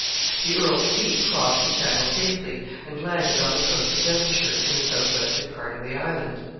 The earl's fleet crossed the Channel safely, and landed on the coast of Devonshire, in the southwestern part of the island.